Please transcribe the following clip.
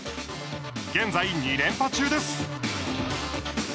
現在２連覇中です。